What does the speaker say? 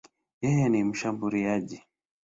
Yeye ni mshambuliaji.